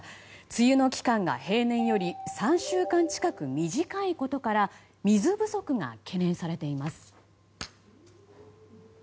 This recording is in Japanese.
梅雨の期間が平年より３週間近く短いことから水不足が懸念されています。